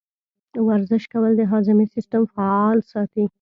ورزش کول د هاضمې سیستم فعال ساتي.